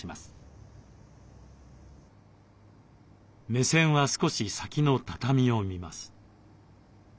目線は少し先の畳を見ます。